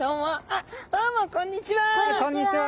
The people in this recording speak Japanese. あっどうもこんにちは！